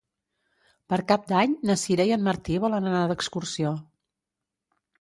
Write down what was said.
Per Cap d'Any na Sira i en Martí volen anar d'excursió.